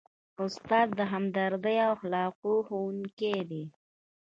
استاد د همدردۍ او اخلاقو ښوونکی دی.